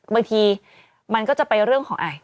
บางทีมันก็จะไปเรื่องของไอ